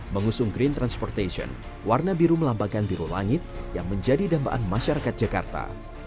mengusung green transportation warna biru melambangkan biru langit yang menjadi dambaan masyarakat jakarta